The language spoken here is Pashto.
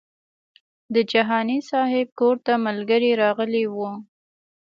د جهاني صاحب کور ته ملګري راغلي وو.